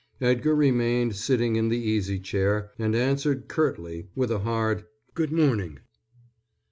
Edgar remained sitting in the easy chair and answered curtly with a hard "G'd morning."